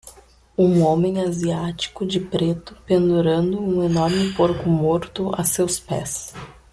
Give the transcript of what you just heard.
Um homem asiático de preto pendurando um enorme porco morto a seus pés.